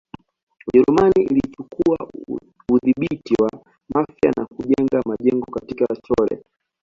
Ujerumani ilichukua udhibiti wa Mafia na kujenga majengo katika Chole